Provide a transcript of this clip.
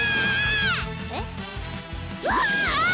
えっ？